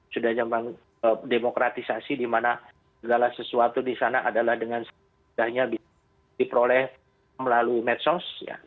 sudah zaman demokratisasi di mana segala sesuatu di sana adalah dengan mudahnya bisa diperoleh melalui medsos